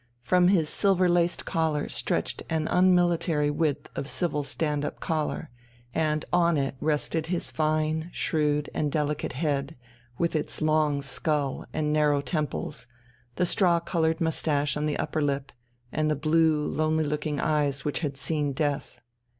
From his silver laced collar stretched an unmilitary width of civil stand up collar, and on it rested his fine, shrewd, and delicate head, with its long skull and narrow temples, the straw coloured moustache on the upper lip, and the blue, lonely looking eyes which had seen death.